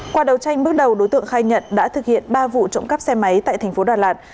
qua đầu tranh bước đầu đối tượng khai nhận đã thực hiện ba vụ trộm cắp xe máy tại thành phố đà lạt